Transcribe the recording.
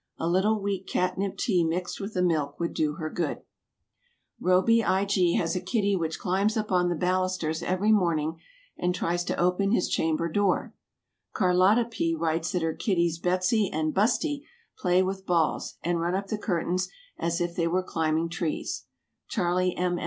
A little weak catnip tea mixed with the milk would do her good. Robie I. G. has a kitty which climbs up on the balusters every morning and tries to open his chamber door; Carlotta P. writes that her kitties Betsy and Busti play with balls, and run up the curtains as if they were climbing trees; Charlie M.